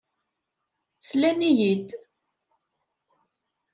Slan-iyi-d.